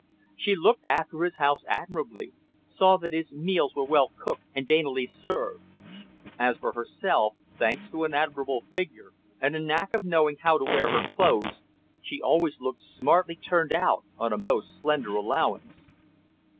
She looked after his house admirably, saw that his meals were well cooked and daintily served. As for herself, thanks to an admirable figure, and a knack of knowing how to wear her clothes, she always looked smartly turned out on a most slender allowance.